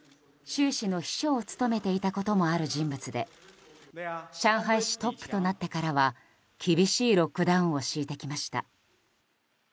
習氏の秘書を務めていたこともある人物で上海市トップとなってからは厳しいロックダウンを敷いてきました。